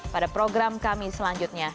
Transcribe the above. pada program kami selanjutnya